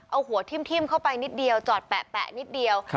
เอาหัวทิ้มเข้าไปนิดเดียวจอดแปะนิดเดียว